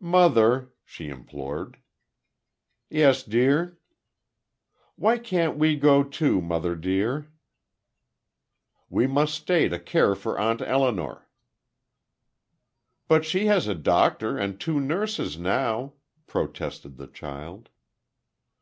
"Mother," she implored. "Yes, dear?" "Why can't we go, too, mother dear?" "We must stay to care for Aunt Elinor." "But she has a doctor and two nurses now," protested the child.